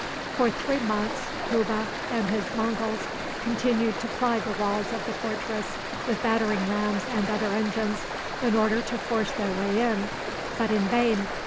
For three months Hubbe and his Monguls continued to ply the walls of the fortress with battering rams and other engines, in order to force their way in, but in vain.